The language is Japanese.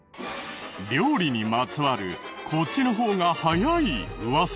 料理にまつわるこっちの方が早いウワサが。